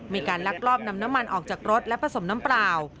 ลักลอบนำน้ำมันออกจากรถและผสมน้ำเปล่า